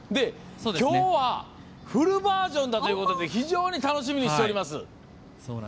今日は、フルバージョンだということで非常に楽しみにしています。